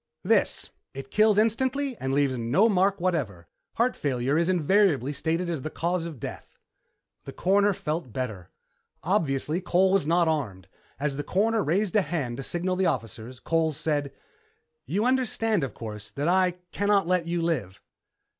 "This. It kills instantly and leaves no mark whatever. Heart failure is invariably stated as the cause of death." The Coroner felt better. Obviously, Cole was not armed. As the Coroner raised a hand to signal the officers, Cole said, "You understand, of course, that I can't let you live."